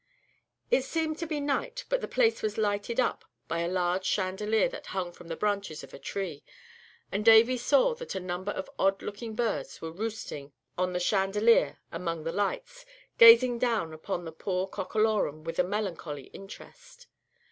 ] It seemed to be night, but the place was lighted up by a large chandelier that hung from the branches of a tree, and Davy saw that a number of odd looking birds were roosting on the chandelier among the lights, gazing down upon the poor Cockalorum with a melancholy interest.